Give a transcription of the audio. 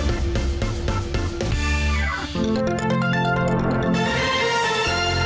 ตลอดตั้งแต่เกิดบ้านกันแล้ว